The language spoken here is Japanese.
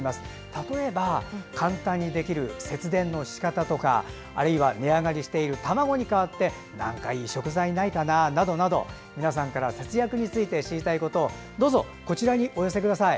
例えば簡単にできる節電のしかたとかあるいは値上がりしている卵に代わって何かいい食材はないかなどなど皆さんから節約について知りたいことどうぞこちらにお寄せください。